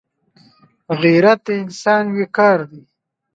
غیرت د انسان وقار دی